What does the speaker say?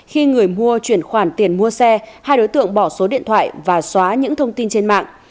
khi người mua chuyển khoản tiền mua xe hai đối tượng bỏ số điện thoại và xóa những thông tin trên mạng